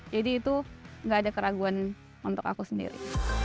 jadi itu nggak ada keraguan untuk aku sendiri